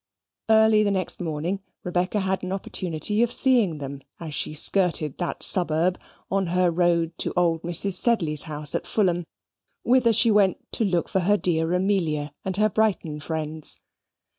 Early the next morning, Rebecca had an opportunity of seeing them as she skirted that suburb on her road to old Mrs. Sedley's house at Fulham, whither she went to look for her dear Amelia and her Brighton friends.